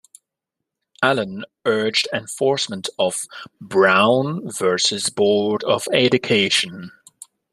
Allen urged enforcement of "Brown versus Board of Education".